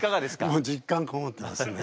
もう実感こもってますね。